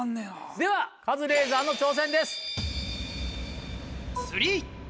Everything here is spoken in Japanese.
ではカズレーザーの挑戦です。